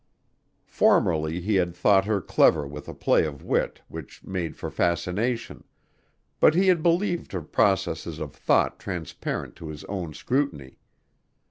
Formerly he had thought her clever with a play of wit which made for fascination, but he had believed her processes of thought transparent to his own scrutiny.